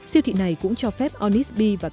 siêu thị này cũng cho phép onisbee và các quán đồ